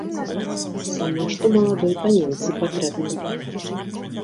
Сама што маладой паненцы патрэбна.